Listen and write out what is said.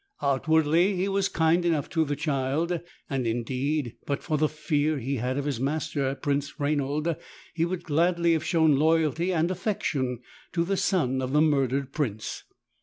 Outwardly he was kind enough to the child, and indeed but for the fear he had of his master, Prince Rainald, he would gladly have shown loyalty and affection to the son of the murdered prince.